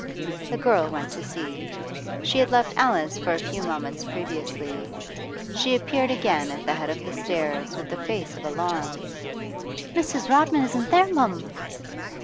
The girl went to see. She had left Alice for a few moments previously. She appeared again at the head of the stairs with a face of alarm. 'Mrs. Rodman isn't there, mum!